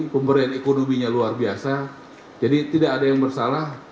pemberian ekonominya luar biasa jadi tidak ada yang bersalah